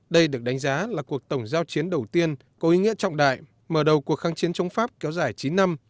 đây được đánh giá là cuộc tổng giao chiến đầu tiên có ý nghĩa trọng đại mở đầu cuộc kháng chiến chống pháp kéo dài chín năm